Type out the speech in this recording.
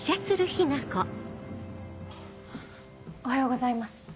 おはようございます。